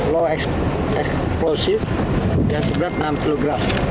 low explosive yang seberat enam kg